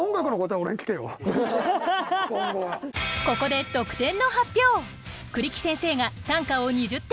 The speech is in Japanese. ここで得点の発表。